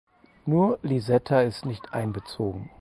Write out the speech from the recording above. Nur Lisetta ist nicht einbezogen.